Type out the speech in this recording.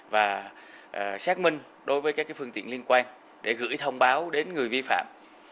và xác minh đối với các phương tiện liên quan để gửi thông báo đến người vi phạm